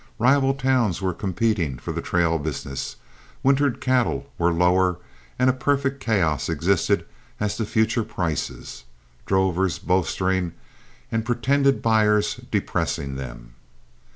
Rival towns were competing for the trail business, wintered cattle were lower, and a perfect chaos existed as to future prices, drovers bolstering and pretended buyers depressing them.